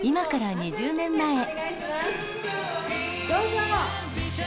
どうぞ。